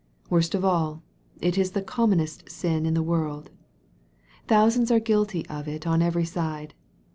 Worst of all, it is the com monest sin in the world. Thousands are guilty of it on every side.